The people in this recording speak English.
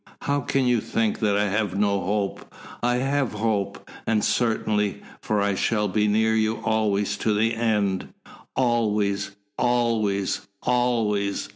How can you think that I have no hope! I have hope and certainty, for I shall be near you always to the end always, always, always!